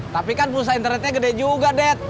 tapi kan pulsa internetnya gede juga det